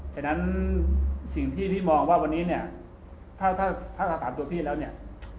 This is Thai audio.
ฉะนั้นสิ่งที่พี่มองว่าวันนี้เนี่ยถ้าถ้าเราถามตัวพี่แล้วเนี่ย